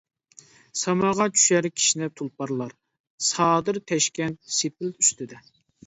ساماغا چۈشەر كىشنەپ تۇلپارلار، سادىر تەشكەن سېپىل ئۈستىدە.